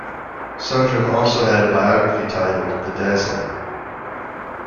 Sundram also had a biography titled 'The Dazzler'.